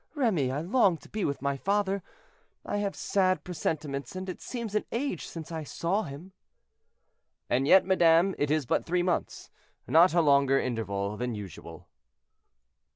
Remy! I long to be with my father; I have sad presentiments, and it seems an age since I saw him." "And yet, madame, it is but three months; not a longer interval than usual."